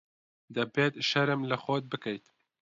دەبێت شەرم لە خۆت بکەیت.